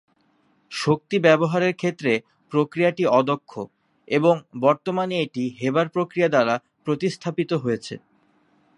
শক্তি ব্যবহারের ক্ষেত্রে প্রক্রিয়াটি অদক্ষ এবং বর্তমানে এটি হেবার প্রক্রিয়া দ্বারা প্রতিস্থাপিত হয়েছে।